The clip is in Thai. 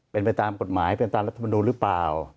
เป็นไปตามกฎหมายเป็นตามรัฐมนูลหรือเปล่า